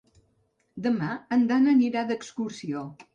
Demà en Dan anirà d'excursió.